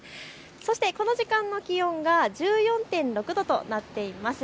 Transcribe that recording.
この時間の気温が１４．６度となっています。